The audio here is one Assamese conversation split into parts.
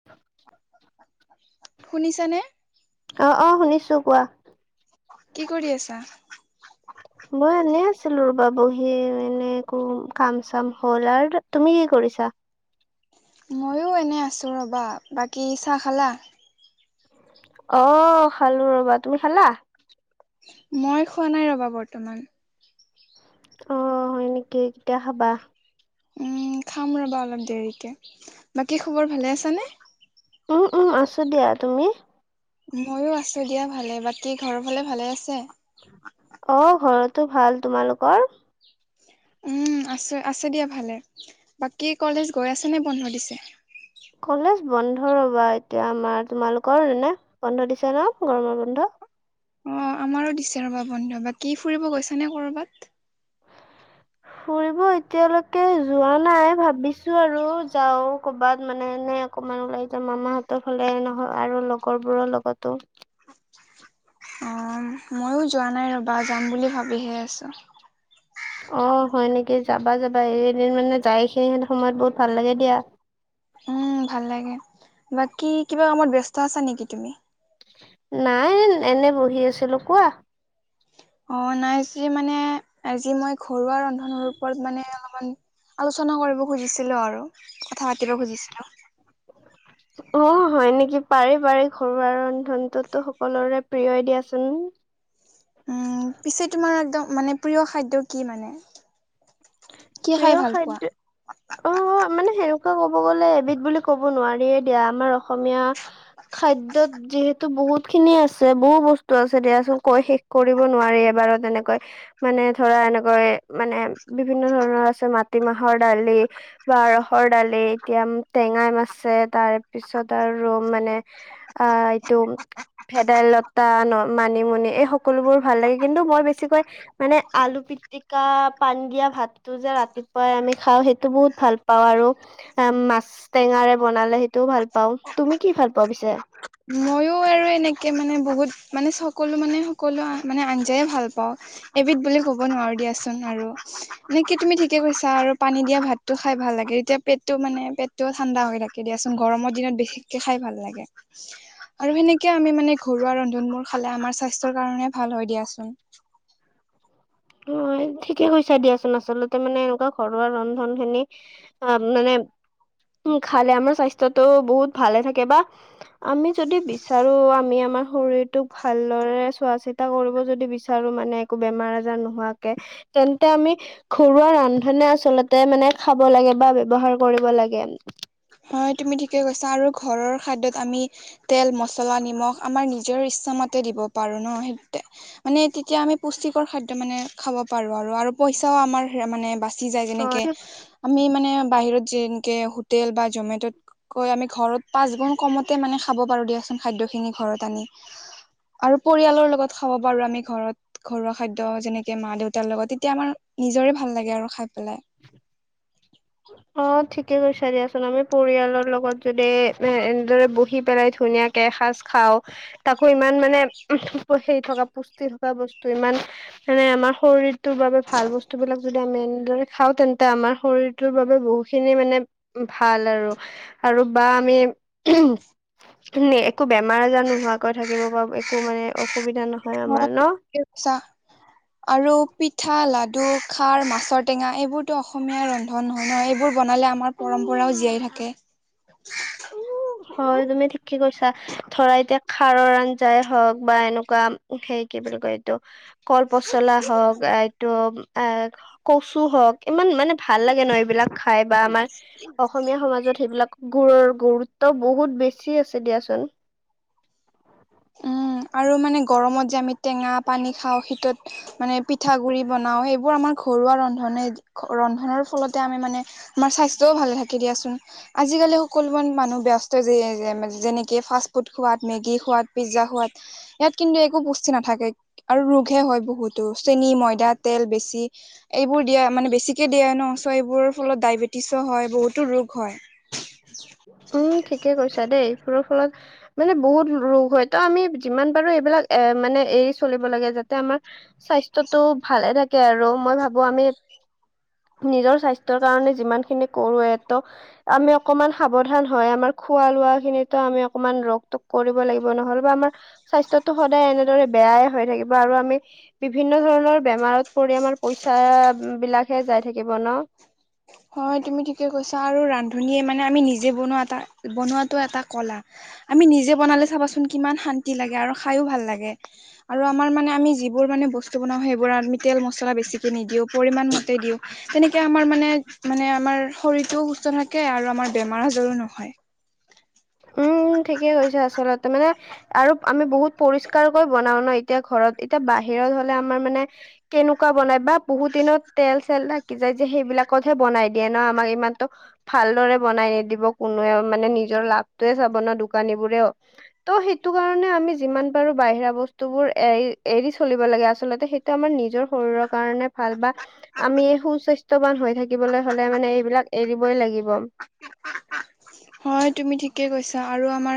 [inaudible] শুনিছা নে? অ', অ', শুনিছো কোৱা? কি কৰি আছা? মই এনে আছিলো ৰবা বহি এনেই একো কাম চাম হ'ল আৰ। তুমি কি কৰিছা? ময়ো এনেই আছোঁ ৰ'বা বাকী চাহ খালা? অ, খালো ৰ'বা তুমি খালা? মই খোৱা নাই ৰ'বা বৰ্তমান। অ, হয় নেকি কেতিয়া খাবা? উম, খাম ৰ'বা অলপ দেৰিকে বাকী খবৰ ভালে আছানে? উম-উম আছো দিয়া তুমি? ময়ো আছো দিয়া ভালে, বাকী ঘৰৰ ফালে ভালে আছে? অ, ঘৰতো ভাল তোমালোকৰ? উম, আছে -আছে দিয়া ভালে, বাকী কলেজ গৈ আছে নে বন্ধ দিছে? কলেজ বন্ধ ৰবা এতিয়া আমাৰ তোমালোকৰ এনে বন্ধ দিছে ন' গৰমৰ বন্ধ? অ আমাৰো দিছে ৰ'বা বন্ধ বাকি ফুৰিব গৈছা নে ক'ৰবাত? ফুৰিব এতিয়ালৈকে যোৱা নাই ভাবিছোঁ আৰু যাও ক'বাত মানে এনে অকমান ওলাই যাম মামাহঁতৰ ফালে নহয় আৰু লগৰ বোৰৰ লগতো। অ, উম, ময়ো যোৱা নাই ৰ'বা যাম বুলি ভাবিহে আছোঁ। অ, হয় নেকি যাবা-যাবা এইকেইদিন মানে যায় এইসিনিহেন সময়ত বহুত ভাল লাগে দিয়া। উম, ভাল লাগে, বাকী কিবা কামত ব্যস্ত আছা নেকি তুমি? নাই এল এনে বহি আছিলোঁ কোৱা? অ, নাই একচুলি মানে আজি মই ঘৰুৱা ৰন্ধনৰ ওপৰত মানে অলমান আলোচনা কৰিব খুজিছিলোঁ আৰু কথা পাতিব খুজিছিলোঁ। অ, হয় নেকি? পাৰি -পাৰি ঘৰুৱা ৰন্ধনটোতো সকলোৰে প্ৰিয়ই দিয়াচোন। উম, পিছে তোমাৰ একদম মানে প্ৰিয় খাদ্য কি মানে? কি খাই প্ৰিয় ভাল পোৱা খাদ্য অ, মানে সেনেকুৱা ক'ব গ'লে এবিধ বুলি ক'ব নোৱাৰিয়ে দিয়া আমাৰ অসমীয়া খাদ্যত যিহেতু বহুত খিনি আছে বহু বস্তু আছে দিয়াচোন কৈ শেষ কৰিব নোৱাৰি এবাৰ তেনেকৈ মানে ধৰা এনেকৈ মানে বিভিন্ন ধৰণৰ আছে মাটিমাহৰ দালি বা ৰহৰ দালি এতিয়া টেঙাই মাছে তাৰ পিছত আৰ মানে অ, এইটো ভেদাইলতা ন' মানিমুনি এই সকলোবোৰ ভাল লাগে কিন্তু মই বেছিকৈ মানে আলু পিটিকা, পান দিয়া ভাত টো যে ৰাতিপুৱাই আমি খাওঁ সেইটো বহুত ভাল পাওঁ আৰু অ, মাছ টেঙাৰে বনালে সেইটোও ভাল পাও তুমি কি ভাল পোৱা পিছে? ময়ো আৰু এনেকে মানে বহুত মানে সকলো মানে সকলো মানে আঞ্জাই ভাল পাওঁ এবিধ বুলি ক'ব নোৱাৰো দিয়াচোন আৰু নে কি তুমি ঠিকে কৈছা আৰু পানী দিয়া ভাত ভাতটো খাই ভাল লাগে, তেতিয়া পেটটো মানে পেটটোও ঠাণ্ডা হৈ থাকে দিয়াচোন গৰমৰ দিনত বেছি বেছিকে খাই ভাল লাগে আৰু সেনেকে সেনেকে আমি মানে ঘৰুৱা ৰন্ধনবোৰ খালে আমাৰ স্বাস্থ্যৰ কাৰণে ভাল হয় দিয়াচোন হয় ঠিকে কৈছা দিয়াচোন আচলতে মানে এনেকুৱা ঘৰুৱা ৰন্ধনখিনি অ' মানে উম খালে আমাৰ স্বাস্থ্যতো বহুত ভালে থাকে বা আমি যদি বিচাৰো আমি আমাৰ শৰীৰটোক ভালদৰে চোৱা চিত চোৱা- চিতা কৰিব যদি বিচাৰো মানে একো বেমাৰ আজাৰ নোহোৱাকে তেন্তে আমি ঘৰুৱা ৰন্ধনে আচলতে মানে খাব লাগে বা ব্যৱহাৰ কৰিব লাগে। হয় তুমি ঠিকে কৈছা আৰু ঘৰৰ খাদ্যত আমি তেল, মছলা, নিমখ আমাৰ নিজৰ ইচ্ছামতে দিব পাৰো ন' সেই মানে তেতিয়া আমি পুষ্টিকৰ খাদ্য মানে খাব পাৰোঁ আৰু-আৰু পইচাও আমাৰ মানে বাচি বাচি যায় যেনেকে হয় আমি মানে বাহিৰত যে এনেকে হোটেল বা জমেট'তকৈ আমি ঘৰত পাঁচ গুণ কমতে মানে খাব পাৰোঁ দিয়াচোন। খাদ্য খিনি ঘৰত আনি আৰু পৰিয়ালৰ লগত খাব পাৰোঁ আমি ঘৰত। ঘৰুৱা খাদ্য যেনেকে মা-দেউতাৰ লগত তেতিয়া আমাৰ নিজৰে ভাল লাগে আৰু খাই পেলাই। অ' ঠিকে কৈছা দিয়াচোন আমি পৰিয়ালৰ লগত যদি এ এনেদৰে বহি পেলাই ধুনীয়াকে ধুনীয়াকে এসাজ খাওঁ তাকো ইমান মানে সেই থকা পুষ্টি থকা বস্তু ইমান এনে আমাৰ শৰীৰটোৰ বাবে ভাল বস্তু বিলাক যদি আমি এনেদৰে খাওঁ তেন্তে আমাৰ শৰীৰটোৰ বাবে বহুখিনি মানে ভাল আৰু-আৰু বা আমি [unintelligible] একো বেমাৰ আজাৰ নোহোৱাকৈ থাকিব পাৰোঁ একো মানে অসুবিধা নহয় আমাৰ ন'। চাহ আৰু পিঠা, লাডু, খাৰ, মাছৰ টেঙা এইবোৰতো অসমীয়া ৰন্ধন ৰন্ধন হয় ন' এইবোৰ বনালে আমাৰ পৰম্পৰাও জীয়াই থাকে হয় তুমি ঠিকেই কৈছা। ধৰা এতিয়া খাৰৰ আঞ্জাই হওক বা এনেকুৱা সেই কি বুলি কয় এইটো কল পচলা হওক এইটো এ কচু হওক ইমান মানে ভাল লাগে ন' এইবিলাক খাই বা আমাৰ অসমীয়া সমাজত সেইবিলাক গুৰৰ গৰুত ত বহুত বেছি আছে দিয়াচোন। উম আৰু মানে গৰমত যে আমি টেঙা পানী খাওঁ শীতত মানে পিঠাগুড়ি বনাও সেইবোৰ আমাৰ ঘৰুৱা ৰন্ধনে ৰন্ধনৰ ফলতে আমি মানে আমাৰ স্বাস্থ্যও ভালে থাকে দিয়াচোন। আজিকালি সকলোবোৰ মানুহ ব্যস্ত যে যেনেকে ফাষ্ট ফুড খোৱাত, মেগী খোৱাত পিজ্জা খোৱাত। ইয়াত কিন্তু একো পুষ্টি নাথাকে আৰু ৰোগহে হয় বহুতো চেনি, ময়দা, তেল বেছি এইবোৰ দিয়া মানে বেছিকে দিয়া ন' চ' এইবোৰৰ ফলত ডায়েবেটিছো হয় বহুতো ৰোগ হয়। উম ঠিকে কৈছা দেই এইবোৰৰ ফলত মানে বহুত ৰোগ হয়তো, আমি যিমান পাৰোঁ এইবিলাক এ মানে এৰি চলিব লাগে যাতে আমাৰ স্বাস্থ্যটো ভালে থাকে আৰু মই ভাবো আমি নিজৰ স্বাস্থ্যৰ কাৰণে যিমান খিনি কৰোঁৱেটো আমি অকমান সাৱধান হয়, আমাৰ খোৱা লোৱা খিনিতো আমি অকমান ৰক তক কৰিব লাগিব, নহ'লে বা আমাৰ স্বাস্থ্যটো সদায় এনেদৰে বেয়াই হৈ থাকিব আৰু আমি বিভিন্ন ধৰণৰ বেমাৰত পৰি আমাৰ পইচা বিলাকহে যাই থাকিব ন'? হয় তুমি ঠিকে কৈছা আৰু ৰান্ধনীয়ে মানে আমি নিজে বনোৱা এটা বনোৱাটো এটা কলা। আমি নিজে বনালে চাবাচোন কিমান শান্তি লাগে আৰু খাইও ভাল লাগে। আৰু আমাৰ মানে আমি যিবোৰ মানে বস্তু বনাওঁ সেইবোৰ আমি তেল মছলা বেছিকে নিদিওঁ পৰিমাণ মতে দিওঁ। তেনেকে আমাৰ মানে-মানে আমাৰ শৰীৰটোও সুস্থ থাকে আৰু আমাৰ বেমাৰ আজাৰো নহয়। উম ঠিকেই হৈছে আচলতে মানে আৰু আমি বহুত পৰিস্কাৰকৈ বনাও ন এতিয়া ঘৰত এতিয়া বাহিৰত হ'লে আমাৰ মানে কেনেকুৱা বনাই বা বহুত দিনত তেল চেল থাকি যায় যে সেইবিলাকতহে বনাই দিয়ে ন। আমাক ইমান তো ভালদৰে বনাই নিদিব কোনোৱেও মানে নিজৰ লাভটোৱে চাব ন দোকানীবোৰেও। ত' সেইটো কাৰণে আমি যিমান পাৰোঁ বাহিৰা বস্তুবোৰ এ এৰি চলিব লাগে, আচলতে সেই টো আমাৰ নিজৰ শৰীৰৰ কাৰণে ভাল বা আমি সু স্বাস্থ্যৱান হৈ থাকিবলৈ হ'লে মানে এইবিলাক এৰিবই লাগিব। হয় তুমি ঠিকেই কৈছা আৰু আমাৰ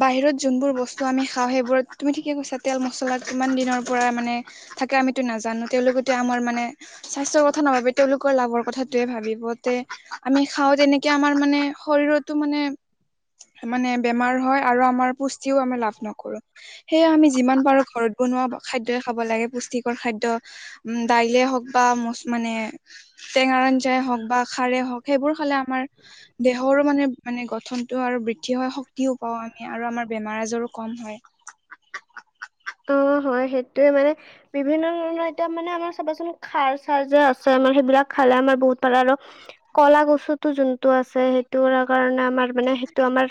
বাহিৰত যোনবোৰ বস্তু আমি খাওঁ সেইবোৰত তুমি ঠিকে কৈছা তেল মছলা কিমান দিনৰ পৰা মানে থাকে আমিতো নাজানো। তেওঁলোকেটো আমাৰ মানে স্বাস্থ্যৰ কথা নাভাবে তেওঁলোকৰ লাভৰ কথাটোয়ে ভাবি লগতে আমি খাওঁ তেনেকে আমাৰ মানে শৰীৰত তো মানে মানে বেমাৰ হয় আৰু আমাৰ পু টিও আমি লাভ নকৰোঁ, সেয়ে আমি যিমান পাৰোঁ ঘৰত বনোৱা খাদ্যয় খাব লাগে পুষ্টি কৰ খাদ্য উম দাইলে হওঁক বা মোচ মানে টেঙাৰ আঞ্জাই হওঁক বা খাৰে হওঁক সেইবোৰ খালে আমাৰ দেহৰো মানে মানে গঠনটো আৰু বৃদ্ধি হয় শক্তিও পাওঁ আমি আৰু আমাৰ বেমাৰ আজাৰো কম হয়। [inaudible] অ হয় সেইটোয়ে মানে বিভিন্ন ধৰণৰ এতিয়া মানে আমাৰ চাবাচোন খাৰ চাৰ যে আছে আমাৰ সেইবিলাক খালে আমাৰ বহুত পাল আৰু কলা গছুতো যোনটো আছে সেইটো কাৰণে আমাৰ মানে সেইটো আমাৰ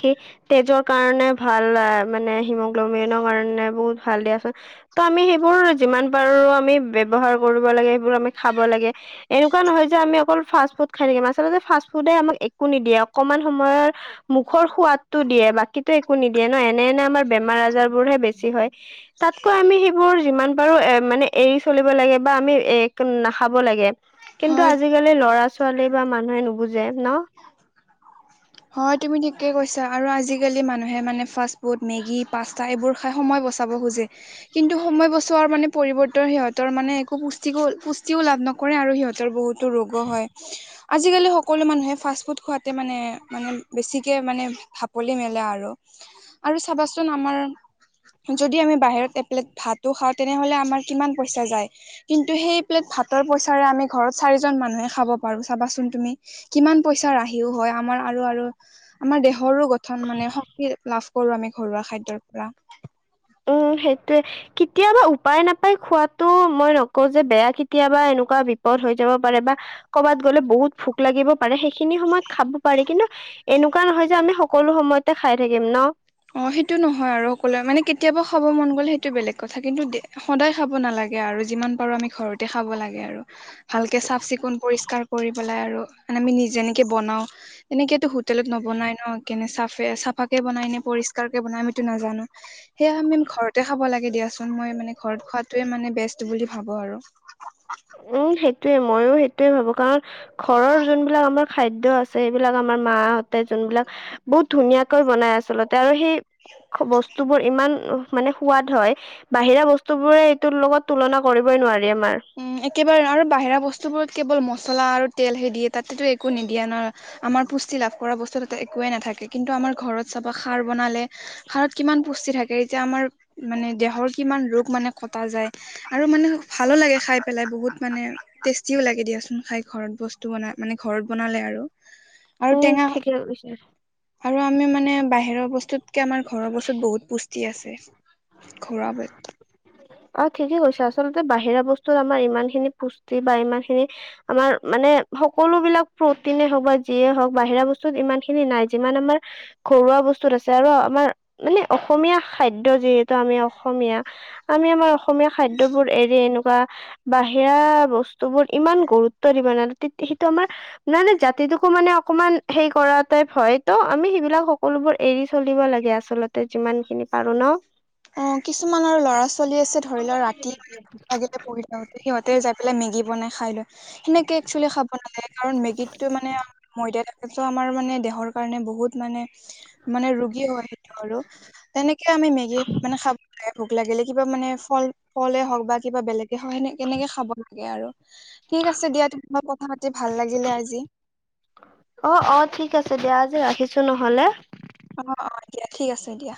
কি তেজৰ কাৰণে ভাল মানে হিম গ্লোমেইনৰ কাৰণে বহুত ভাল দিয়াছোন ত আমি সেইবোৰ যিমান পাৰো আমি ব্যৱহাৰ কৰিব লাগে সেইবোৰ আমি খাব লাগে। এনেকুৱা নহয় যে আমি অকল ফাষ্ট ফুড খাই থাকিম, আচলতে ফাষ্ট ফুডে আমাক একো নিদিয়ে অকণমান সময়ৰ মুখৰ সোৱাদটো দিয়ে বাকী একো নিদিয়ে ন এনেই এনে আমাৰ বেমাৰ আজাৰ বোৰ হে বেছি হয়, তাতকৈ আমি সেইবোৰ বাৰু এ মানে এৰি চলিব লাগে বা আমি নাখাব লাগে কিন্তু হয় আজি আজিকালি ল'ৰা ছোৱালী বা মানুহে নুবুজে ন হয় তুমি ঠিকে কৈছা আৰু আজিকালি মানুহে মানে ফাষ্টফুড মেগী পা তাই এইবোৰ খায় সময় বচাব খোজে। কিন্তু সময় বছোৱাৰ মানে পৰিৱৰ্তন সিহঁতৰ মানে একো পুষ্টিকো পুষ্টিও লাভ নকৰে, আৰু সিহঁতৰ বহুত ৰোগ হয় আজিকালি সকলো মানুহে ফাষ্ট ফুড খুৱাতে মানে মানে বেছিকে মানে ঢাপলি মেলে আৰু, আৰু চাবাচোন আমাৰ যদি আমি বাহিৰত এপেলেট ভাতো খাওঁ, তেনেহলে আমাৰ কিমান পইচা যায়। কিন্তু সেই প্লেট ভাতৰ পইচাৰে আমি ঘৰত চাৰিজন মানুহে খাব পাৰোঁ চাবাচোন তুমি। কিমান পইচাৰ ৰাহিও হয় আমাৰ আৰু আৰু আমাৰ দেহৰো গঠন মানে শক্তি লাভ কৰোঁ আমি ঘৰুৱা খাদ্যৰ পৰা। উম সেইটোৱে। কেতিয়াবা উপায় নাপাই খোৱাতো মই নকওঁ যে বেয়া কেতিয়াবা এনেকুৱা বিপদ হৈ যাব পাৰে বা কৰ'বাত গ'লে বহুত ভোক লাগিব পাৰে সেইখিনি সময়ত খাব পাৰে। কিন্তু এনেকুৱা নহয় যে আমি সকলো সময়তে খাই থাকিম ন? অঁ সেইটো নহয় আৰু সকলোৱে মানে কেতিয়াবা খাব মন গ'লে সেইটো বেলেগ কথা কিন্তু দে সদায় খাব নালাগে আৰু যিমান পাৰোঁ আমি ঘৰতে খাব লাগে আৰু। ভালকে চাফ চিকুন পৰিস্কাৰ কৰি পেলাই আৰু মানে আমি নিজে যেনেকে বনাও তেনেকেটো হো হোটেলত নবনাই ন কেনে চাফে চাফাকে বনাই নে পৰিস্কাৰকে বনাই আমিটো নাজানো। সেয়ে আমি ঘৰতে খাব লাগে দিয়াচোন মই মানে ঘৰত খোৱাটোয়ে মানে বেষ্ট বুলি ভাবোঁ আৰু। উম সেইটোৱে ময়ো সেইটোৱে ভাবোঁ কাৰণ ঘৰৰ যোনবিলাক আমাৰ খাদ্য আছে সেইবিলাক আমাৰ মাহঁতে যোনবিলাক বহুত ধুনীয়াকৈ বনাই আচলতে আৰু সেই বস্তুবোৰ ইমান মানে সোৱাদ হয় বাহিৰা বস্তু বোৰে এইটোৰ লগত তুলনা কৰিবই নোৱাৰি আমাৰ। উম একেবাৰে আৰু বাহিৰা বস্তুবোৰত কেৱল মছলা আৰু তেল হে দিয়ে তাতেটো একো নিদিয়ে ন? আমাৰ পুষ্টি লাভ কৰা বস্তুতোতে একোৱে নাথাকে কিন্তু আমাৰ ঘৰত চাবা খাৰ বনালে', খাৰত কিমান পুষ্টি থাকে', এতিয়া আমাৰ, মানে দেহৰ কিমান ৰোগ মানে কটা যায় আৰু মানে ভালো লাগে', খাই পেলাই বহুত মানে টেষ্টিও লাগে দিয়াচোন খাই ঘৰত বস্তু বনাই মানে ঘৰত বনালে আৰু', আৰু উম টেঙা', ঠিকে কৈছে আৰু আমি মানে বাহিৰৰ বস্তুতকে আমাৰ ঘৰৰ বস্তুত বহুত পুষ্টি আছে', ঘৰুৱাবোৰে', অ', ঠিকেই কৈছে আচলতে বাহিৰা বস্তুত আমাৰ ইমান খিনি পুষ্টি বা ইমান খিনি', আমাৰ মানে সকলোবিলাক প্ৰটিনে হওঁক বা যিয়ে হওঁক, বাহিৰা বস্তুত ইমান খিনি নাই যিমান আমাৰ', ঘৰুৱা বস্তুত আছে আৰু আমাৰ, মানে অসমীয়া খাদ্য যিহেতু আমি অসমীয়া', আমি আমাৰ অসমীয়া খাদ্যবোৰ এৰি এনেকুৱা', বাহিৰা বস্তু বোৰ ইমান গুৰুত্ব দিব নালাগে তেতিয়া সেইটো আমাৰ', মানে জাতিটোকো মানে অকমান হেই কৰা টাইপ হয় ত' আমি সেইবিলাক সকলোবোৰ এৰি চলিব লাগে আ', আচলতে যিমান খিনি পাৰোঁ ন', অ', কিছুমান আৰু ল'ৰা - ছোৱালী আছে ধৰি লওঁ ৰাতি লাগিলে পঢ়ি থাক', সিহঁতে যাই পেলাই মেগী বনাই খাই লৈ, সেনেকে একচুৱেলি খাব নালাগে কাৰণ মেগীটো মানে', ময়দা এইটো আমাৰ মানে দেহৰ কাৰণে বহুত মানে', মানে ৰোগী হয় সেইটো আৰু তেনেকে আমি মেগী', এই ভোক লাগিলে কিবা মানে ফল, ফলে হওঁক বা কিবা বেলেগে হওঁক সেনেকে কেনেকে খাব লাগে আৰু', ঠিক আছে দিয়া তুমি মই কথা পাতি ভাল লাগিলে আজি', অ', - অ', ঠিক আছে দিয়া আজি ৰাখিছোঁ নহ'লে', অ', - অ', দিয়া ঠিক আছে দিয়া।